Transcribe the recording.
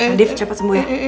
nadif cepet sembuh ya